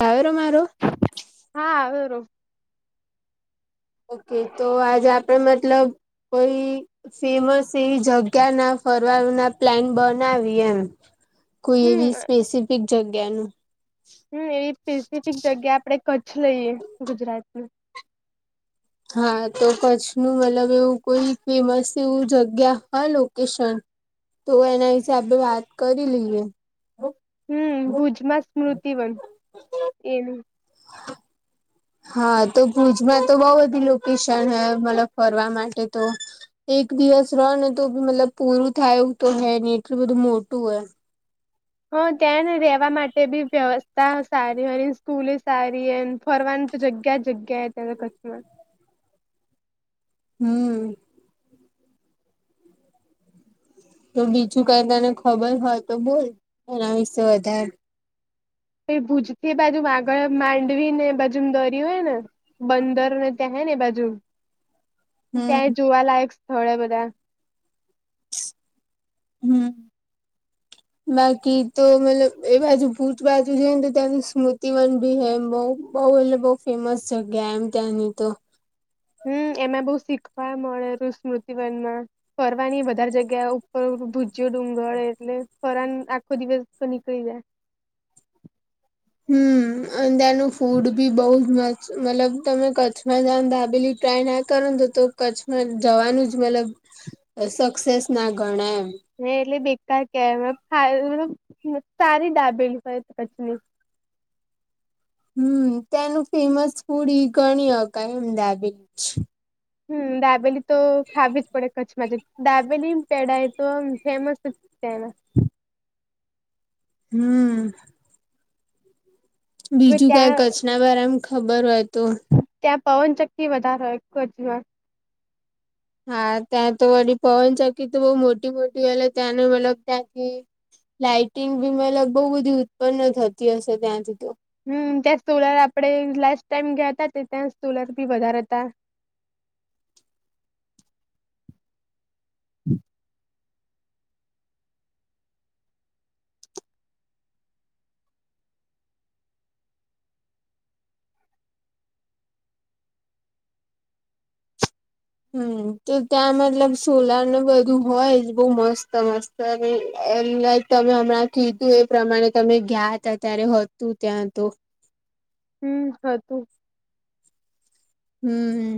તારો મારો. [unintelligible] હા આવેરો. ઓકે તો આજે આપડે મતલબ કોઈ. સેવસી જગ્યાના ફરવાના પ્લાન બનાવી એમ- કોઈ એવી હમ સ્પેસિફિક જગ્યાનું, હું એવી સ્પેસિફિક જગ્યા આપડે કચ્છ લઈએ ગુજરાતમાં- હા તો કચ્છ નું અલગ એવું કોઈ ફેમસ એવું જગ્યા હા લોકેશન- તો એના હિસાબે વાત કરી લઈએ. હું ભુજમાં સ્મૃતિવન એનુ હા તો ભુજમાં તો બહુ બધી લોકેશન હૈં, મતલબ ફરવા માટે તો. એક દિવસ રહો નેતો બી મતલબ પૂરું થાય, એ તો હે ને એટલું બધું મોટું હે. હ ત્યાં ને રેવા માટે બી વ્યવસ્થા સારી હો સ્કૂલે, સારી એ ફરવાની તો જગ્યા જગ્યા એ કચ્છમાં, હું. તો બીજું કંઈક તને ખબર હોય તો બોલ એના વિશે વધારે. ભુજ થી બાજુ આગળ માંડવીને એ બાજુ દરિયો હે ને બંદર ને ત્યાં હેને બાજુ હમ ત્યાં જોવાલાયક સ્થળે બધા. હમ બાકી તો મતલબ એ બાજુ ભૂજ બાજુ છે, નેતો ત્યાંનું સ્મૃતિવન ભી હે એમ બહુ બઉ એટલે બઉ ફેમસ જગ્યા એમ ત્યાંની તો, હું એમાં બઉ શીખવા મળે સ્મૃતિવનમાં, ફરવાની બધા વધારે જગ્યા ઉપર ભુજયો ડુંગર એટલે ફરવાની આ ખો દીવસ તો નીકળી જાય. હું અને ત્યાંનું ફૂડ ભી બહુજ મસ્ત, મતલબ તમે કચ્છમાં જાવ દાબેલી ટ્રાયના કરો તો તો કચ્છમાં જવાનું જ મતલબ અ સક્સેસના ગણાય એમ. મેં એટલે બેકાર કેવાય [unintelligible] સારી દાબેલી કચ્છની, હું ત્યાંનું ફેમસ ફૂડ ઈ ગણી હકાય, અમદાબીજ છીએ. હું દાબેલી તો ખાવી જ પડે. કચ્છમાં ડાબેલી પેડા એ તો ફેમસ છેના હમ હવે બીજું કઈ ત્યાં કચ્છના બરામાં ખબર હોય તો ત્યાં પવનચક્કી વધારે હોય કચ્છમાં હા ત્યાં તો વડી પવન ચકી તો બહુ મોટી મોટી હલે ત્યાં મતલબ ત્યાં તો લાાઈટિંગ બી મતલબ બઉુ બધી ઉત્પન્ન થતી હશે ત્યાંથી તો હમ ત્યાં સોલાર આપડે લાસ્ટ ટાઈમ ગયા હતા ત્યાં સોલાર બી વધારે હતા. [unintelligible] હમ તો ત્યાં મતલબ સોલાર નુ બધું હોય જ બહુ મસ્ત મસ્ત ત એમ લાઈક તમે હમણાં કીધું એ પ્રમાણે તમે ગયા હતા ત્યારે હતું ત્યાં તો હમ હતું. હમ.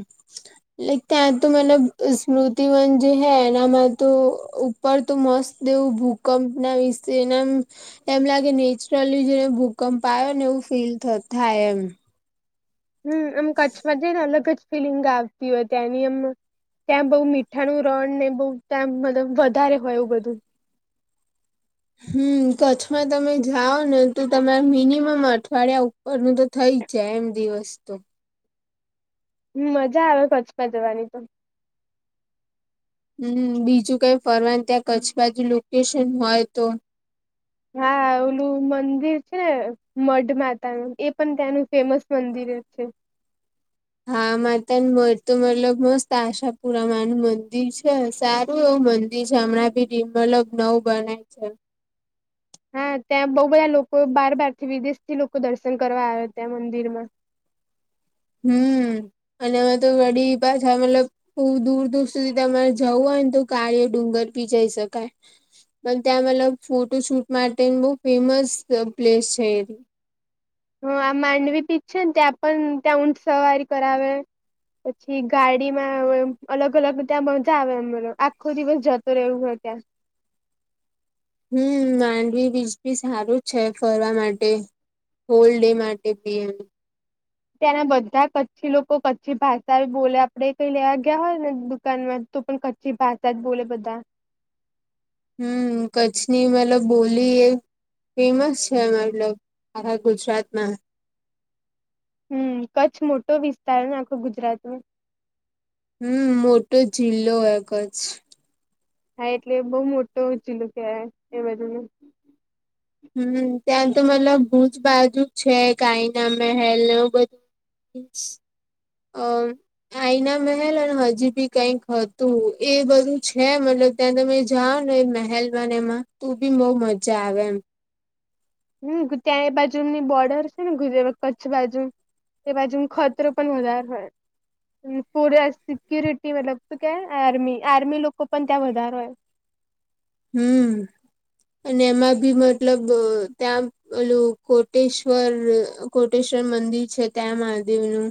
લક ત્યાં તો મતલબ સ્મૃતિવન જે હૈ એના મા તો પર તો મસ્ત એવું ભૂકંપ ના વિશે ના એમ લાગે નેચરલી જેને ભૂકંપ આવ્યો ને એવું ફીલ થ થાય એમ હમ આમ કચ્છમાં જઈ ને અલગ જ ફિલિંગ આવતી હોય ત્યાંની આમ ત્યાં બઉ મીઠાનું રણ ને બહુ તા મતલબ વધારે હોય એવું બધું હમ કચ્છમાં તમે જાઓ ને તો તમારા મિનિમમ અઠવાડિયા ઉ પર નું તો થઈ જાય એમ દિવસ તો. હ મજા આવે કચ્છમાં જવાની તો હમ બીજું કઈ ફરવાનું ત્યાં કચ્છ બાજુ લોકેશન હોય તો હા મુ મંદિર છે ને મઢ માતા નું એ પણ ત્યાંનું ફેમસ મંદિર છે. હા માતા મળતું મતલબ મસ્ત આશાપુરામા નું મંદિર છે સારું એવું મં દીર છે, હમણાં ભી રીમ મતલબ નવ બનાય છે. હા ત્યાં બહુ બધા લોકો બાર બાર થી વિદેશ થી લોકો દર્શન કરવા આવે ત્યાં મંદિર માં હમ અનેમાં તો વડી પાછા મતલબ હ દૂર દૂર સુધી તમારે જવું હોય ને તો કાળીયો ડુંગર પી જઈ શકાય. પણ ત્યાં મતલબ ફોટો શૂટ માટે બહુ ફેમસ પ્લેસ છે એ. હું આ માંડવી બીજ છે તયા પણ તયા ઊંઠ સવારી કરાવે. પછી ગાડીમાં અલગ અલગ ત્યાં મજા આવે અમ આખો દિવસ જતો રહેવું હોય ત્યાં. હમ માંડવી બીજ બી સારું છે ફરવા માટે. હોલ ડે માટે પી એમ. ત્યાંના બધા કચ્છી લોકો કચ્છી ભાષા બોલે આપડે કઈ લેવા ગયા હોય ને દુકાન માં. તો પણ કચ્છી ભાષા જ બોલે બધા. હમ કચ્છની મેલો બોલી એ. ફેમસ છે મતલબ આખા ગુજરાતમાં. હમ કચ્છ મોટો વિસ્તાર ને આખો ગુજરાતમાં હમ મોટો જિલ્લો એ કચ્છ. હા એટલે બહુ મોટો જીલું ત્યાંએ બધું નુ. હમ ત્યાં તો મતલબ ભુજ બાજુ છે આઇના મહેલ ને બધું. એ અ આઈના મહેલ અને હજી બી કઈક હતું એ બધું છે મતલબ ત્યાં તમે જાઓ ને એ મહેલ ને એમાં તું બી બઉુ મજા આવે એમ. હમ ત્યાં એ બાજુ એમની બોર્ડર છે ને ગુ કચ્છ બાજુ એ બાજુ ખ. પણ વધારે હોય [inaudible] સિક્યુરિટી મતલબ શું કેવાય આર્મી આર્મી લોકો પણ ત્યાં વધારો. હમ. અને એમાં બી મતલબ ત્યાં ઓલું કોટેશ્વર. કોટેશ્વર મંદિર છે ત્યાં મહાદેવનું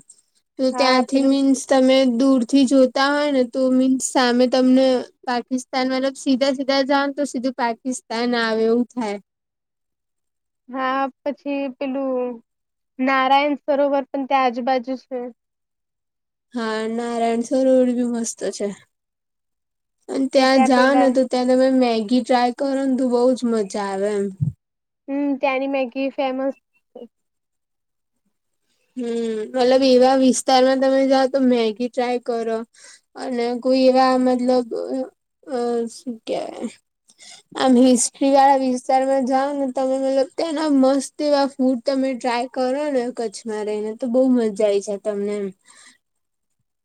તો હા ત્યાંથી પેલું મીન્સ તમે દૂર થી જોતા હોય ને તો મીન્સ સામે તમને પાકિસ્તાન મતલબ સીધા સીધા. સીધા જાવ ને તો સીધું પાકિસ્તાન આવે એવું થાય. હા પછી પેલું નારાયણ સરોવર પણ ત્યાં આજુબાજુ છે. હા નારાયણ સરોવર ને બી મસ્ત છે અને ત્યાં જાઓને તો. ત્યાં તમે મેગી ટ્રાય કરો ને તો બઉજ મજા આવે એમ. હમ ત્યાં ની મેગી ફેમસ. છે. હમ મતલબ એવા વિસ્તારમાં તમે જાઓ તો મેગી ટ્રાય કરો. અને કોઈ એવા મતલબ અ શું કેવાય. આમ હિસ્ટ્રી વાળા વિસ્તારમાં જાઓ ને તમે મતલબ ત્યાંના મસ્ત. તેવા ફૂડ તમે ટ્રાય કરો ને કચ્છમાં રહીને તો બહુ મજા આવી જાય તમને એમ.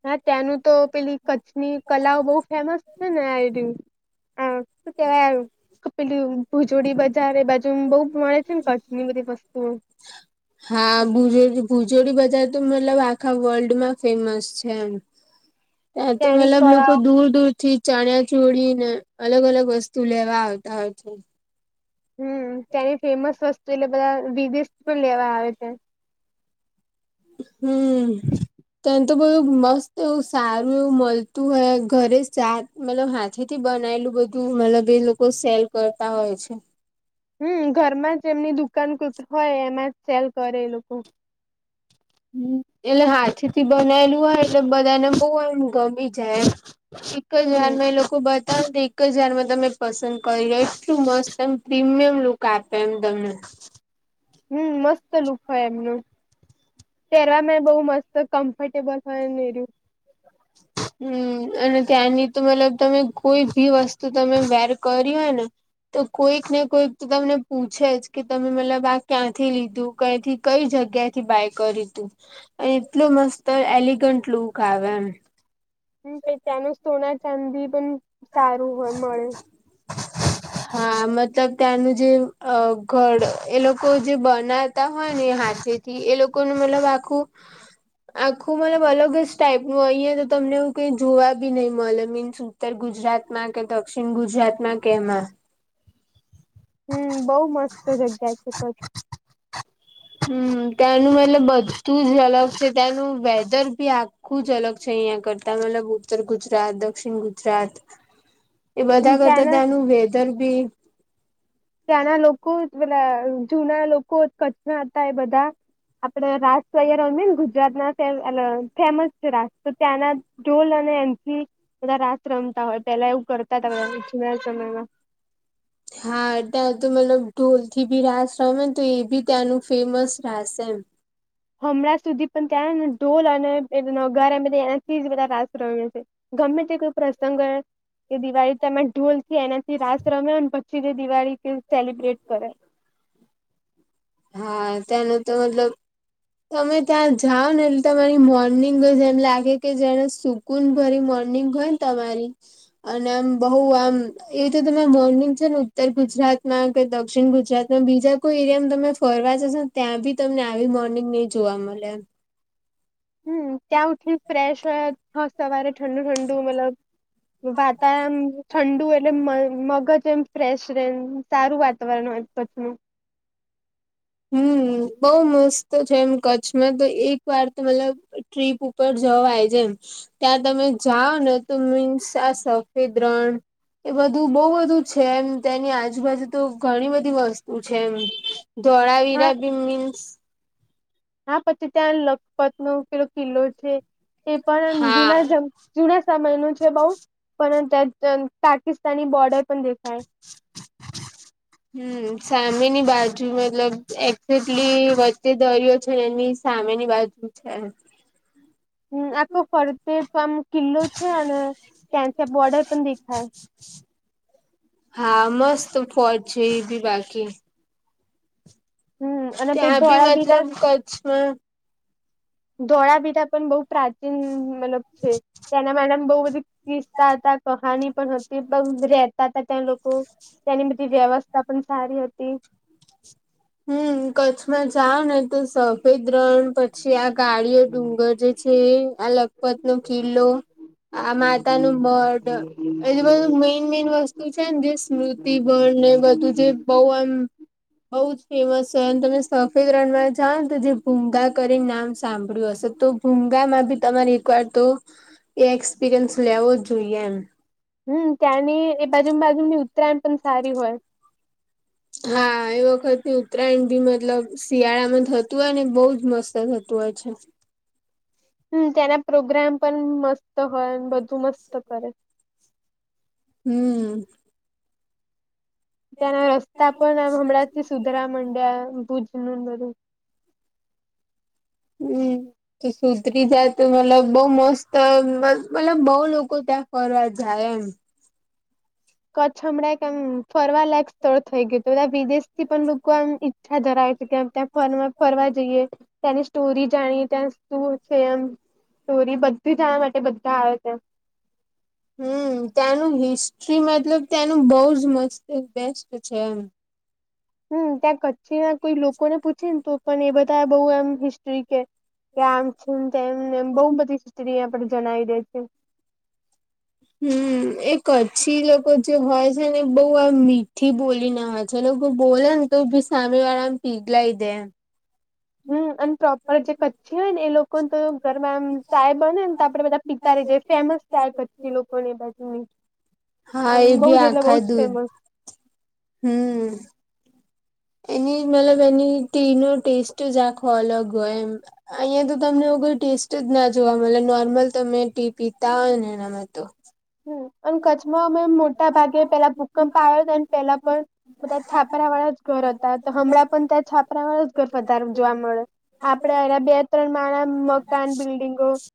હા ત્યાંનું તો પેલી કચ્છની કલાઓ બહુ ફેમસ છે ને આ. હ શું કેવાય પેલું ભૂજોડી બધી. તારે બાજુ બહુ મળે છે ને કચ્છ ની બધી વસ્તુઓ. હ. હા ભુજોડી ભુજોડી બજાર તો મતલબ આખા વર્લ્ડમાં ફેમસ છે એમ. એ તો ત્યાંની મતલબ લોકો કળાઓ દૂર દૂર થી. ચણયા ચોડી ને અલગ અલગ વસ્તુ લેવા આવતા હોય છે. હમ ત્યાંની ફેમસ વસ્તુ એટલે બધા વિદેશ પણ લેવા આવે છે. હમ. તને તો બધું મસ્ત એવું સારું એવું મળતું હોય ઘરે સાર. મતલબ હાથે થી બનાયલું બધું મતલબ એ લોકો સેલ કરતા હોય છે. હમ ઘરમાં જ એમની દુકાન હોય એમાં જ સેલ કરે એ લોકો. હમ એટલે હાથે થી બનાયલું હોય એટલે બધાને બહુ એમ ગમી જાય એમ. એક જ હમ વાર મેં એ લોકો બધ. તા એકજ વારમાં તમે પસંદ કરી લો એટલું મસ્ત એમ પ્રીમિયમ લુક આપે એમ તમને. હમ મસ્ત લુક હોય એમનું પહેરવામાં બહુ મસ્ત. તો કમ્ફર્ટેબલ હોય રું. હ. [inaudible] હમ અને ત્યાંની તો મતલબ તમે કોઈ ભી વસ્તુ તમે વેર કરી હોય ને. તો કોઈક ને કોઈક તો તમને પૂછે જ કે તમે મતલબ આ ક્યાંથી લીધું ક્યાથી કઈ જગ્યાથી બાય કરી્યું તું અને એટલું મસ્ત એલિગન્ટ લુક આવે એમ. હમ પ ત્યાંનું સોના ચાંદી પણ સારું હોય મળે. [inaudible] હા મતલબ ત્યાંનું જે ઘર એ લોકો જે બનાતા હોય ને હાથે એ લોકોનું મતલબ આખું આખું મતલબ અલગ જ ટાઈપ નું અં તો તમને એવું કઈ જોવા બી નહિ મતલ મીન્સ ઉતર ગુજરાતમાં કે દક્ષિણ ગુજરાતમાં કેમાં. હમ બઉુ મસ્ત જગ્યા છે કચ્છ. હમ ત્યાંનું એટલે બધું જ અલગ છે ત્યાંનું વેધર ભી આ ખુજ અલગ છે અહિયાં કરતા મતલબ ઉત્તર ગુજરાત દક્ષિણ ગુજરાત. એ હમ, બધા કરતા ત્યાંના ત્યાંનું વેધર બી ત્યાંના લોકો જૂના લોકો કચ્છમાં હતા એ બધા. આપડ રાસૈ ગુજરાત ના ફેમસ છે રાસ તો ત્યાંના ઢોલ અને એન થી બધા રાત રમતા હોય પેલા એવું કરતા હતા બા જુના સમયમાં. હા ત્યાં તો મતલબ ઢોલ થી બી રાસ ર ને તો એ બી ત્યાંનું ફેમસ રાશે એમ. હમણાં સુધી પણ ત્યાંને ઢોલ અને નગર એ બ એના થી જ બધા રાસ રહ છે. ગમે તે કોઈ પ્રસંગ કર. કે દિવાળી તમે ઢોલથી એનાથી રાસ રમ પછી તે દિવાળી કે સેલિબ્રેટ કરે. હા તેનો તો મતલબ. તમે ત્યાં જાઓ ને એટલે તમારી મોર્નિંગ બસ એમ લાગે કે જેને સુ સ્કૂન ભરી મોર્નિંગ હોય ને તમારી અને આમ બહુ આમ એ તો તમે મોર્નિંગ છે ને ઉત્તર ગુજરાતમાં કે દક્ષિણ ગુજરાત અને બીજા કોઈ એરિયામાં તમે ફરવા જો ને ત્યાં બી તમને આવી મોર્નિંગ નહી જોવા મળે એમ હમ ત ઉઠી ફ્રેશ હોય સવારે ઠંડુ ઠંડુ મતલબ વાતાવરણ ઠંડુ એટલે મગજ એમ ફ્રેશ ર સારું વાતાવરણ હોય કચ્છ માં હમ બઉ મસ્ત છે એમ કચ્છમાં તો એક વાર તો મતલબ ટ્રીપ ઉપર જવાય જેમ ત્યાં તમે જાઓ ને તો મીન્સ આ સફેદ રણ એ બધું બહુ બધું છે એમ તેની આજુબાજુ તો ઘણી બધી વસ્તુ છે એમ હા ધોળાવીરા કે મીનસ હા પછી ત્યાં લખપત નો કેલો કિલ્લો છે એ પણમ હા જુના જ જુના સમય ન છે બઉ પણ પાકિસ્તાની બોર્ડર પણ દેખાય [inaudible] હમ સામેની બાજુ મતલબ એક્ઝેકટલી વચ્ચે દરિયો છે ને એની સામેની બાજુ અચ છે હમ આખો ફરતે તો આમ કિલ્લો છે અને ત્યાં ત્યાં બોર્ડર પણ દેખાય [inaudible] હા મસ્ત પો છે એ બી બાકી. હમ અને પે ત્યાં બી ધોળાવીરા મતલબ કચ્છમાં ધોળાવીરા પણ બહુ પ્રાચીન મલબ છે તેના માટે બહુ બધી કિસ્તા હતા કહાની પણ હતી. બગ રહેતા હતા ત લોકો તેનીધી વ્યવસ્થા પણ સારી હોતી. હમ કચ્છમાં જાવ ને તો સફેદ રણ પછી આ કાડીઓ ડુંગર જે છે આ લખપત નો કિલ્લો આ માતા નું મઢ એજ બધું મેઈન મેન વસ્તુ છે ને જે સ્મૃતિ બળ ને બધું જે બહઉ એમ બઉ જ એેમસ છે તમે સફેદ રનમાં જાઓ ને તો જે ભૂગા કરીને નામ સાંભળ્યું હશે તો હુગા માં ભી તમારેવાયર તો એ એક્સપિરિયન્સ લેવો જોઈએ એમ હમ ત્યાંની એ બાજુ બાજુની ઉત્તરાયણ પણ સારી હોય. હા એ વખત ઉત્તરાયણ ભી મતલબ શિયાળા માં થતું હોય ને બહુ જ મસ્ત થતું હોય છે. હમ ત્યાના પ્રોગ્રામ પણ મસ્ત હોય બધું મસ્ત કરે. હમ ત્યાંના રસ્તા પણ હમણાં સુધરા મંડ્યા ભુજ નું ને બધું. હમ! તો સુતરી જાત મતલબ બહુ મસ્ત મતલબ બહુ લોકો ત્યાં ફરવા જાય એમ. કચ્છ હમણાં કે એમ ફરવા લાયક સ્થળ થઈ ગયું. તો બધા વિદેશ થી પણ લોકો આમ ઈચ્છા ધરાવે છે કેમ ત્યાં ફર ફરવા જઈએ. ત્યાંની સ્ટોરી જાણી ત્યાં શું છે? એમ સ્ટોરી બધી જાણવા માટે બધા આવે ત્યાં. હમ ત્યાંનું હિસ્ટ્રી મતલબ ત્યાંનું બહ જ મસ્ત બેસ્ટ છે એમ. હમ ત્યાં કચ્છી ના કોઈ લોકોને પૂછે ને તો પણ એ બધા બઉુ એમ હિસ્ટ્રી કે. કે આમ છેને તેમને બહુ બધી સત્રી અં પર જણાવી દે છે. હમ એ કચ્છી લોકો જે હોય છે ને બહ આ મીઠી બોલી ના હોય. તે લોકો બોલે ને તો ભી સામે આરામ પીગલાઈ દે. હમ અને પ્રોપર જે કચ્છી હોય ને એ લોકોને તો ઘરમાં આમ ચાય બને ને તો આપડે બધા પીતા રહી જાય. ફેમસ ચાર કચ્ચી લોકો ને બાજુ હા એ બી આખાય જ દૂધ ફેમસ હમ એની મતલબ એની તી નો ટેસ્ટ જ આખો અલગ હોય એમ. અહીયાં તો તમને એવું કોઈ ટેસ્ટ જ ના જોવા મળે નોર્મલ તમે ટી પીતા હોય ને એનામાં તો. હમ અને કચ્છમાં અમે મોટા ભાગે પેલા ભૂકંપ આવ્યો હતા પેલા પણ બધાં છાપરા વાળા જ ઘર હતા તો હમણાં પણ ત્યાં છાપરા વાળા જ ઘર વધારે જોવા મળે. આપડે એ બે ત્રણ મારા મકાન બિલ્ડિંગો